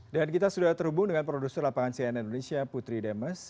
dan kita sudah terhubung dengan produser lapangan cn indonesia putri demes